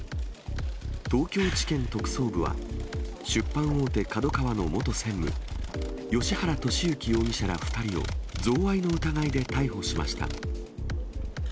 東京地検特捜部は、出版大手、ＫＡＤＯＫＡＷＡの元専務、芳原世幸容疑者ら２人を、贈賄の疑いで逮捕しました。